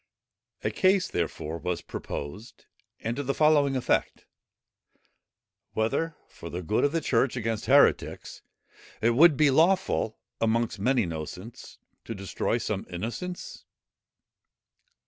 A case, therefore, was proposed, and to the following effect: "Whether, for the good of the church against heretics, it would be lawful, amongst many innocents, to destroy some innocents?"